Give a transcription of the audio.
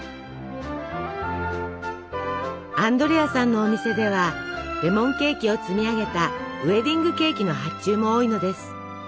アンドレアさんのお店ではレモンケーキを積み上げたウエディングケーキの発注も多いのです。